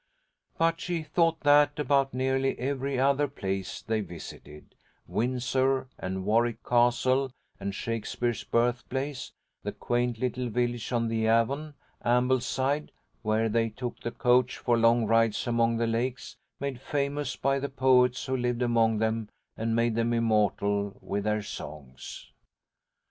But she thought that about nearly every other place they visited, Windsor, and Warwick Castle, and Shakespeare's birthplace, the quaint little village on the Avon; Ambleside, where they took the coach for long rides among the lakes made famous by the poets who lived among them and made them immortal with their songs.